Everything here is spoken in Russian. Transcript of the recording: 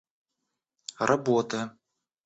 работы